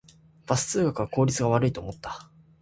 バス通学は効率が悪いと思った